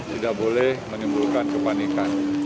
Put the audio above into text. tidak boleh menimbulkan kepanikan